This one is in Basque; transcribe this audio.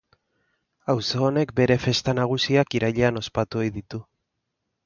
Auzo honek bere festa nagusiak irailean ospatu ohi ditu.